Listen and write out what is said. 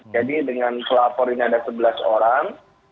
jadi dengan pelapor ini ada sebelas orang